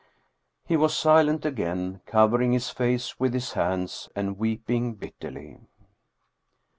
He was silent again, covering his face with his hands and weeping bitterly.